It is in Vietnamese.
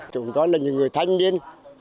chúng tôi là người thanh niên